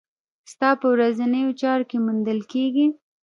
ستا په ورځنيو چارو کې موندل کېږي.